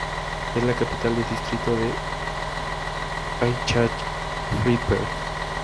Es la capital del distrito de Aichach-Friedberg.